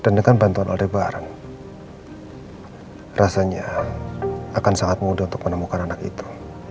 dan dengan bantuan aldebaran rasanya akan sangat mudah untuk menemukan anak itu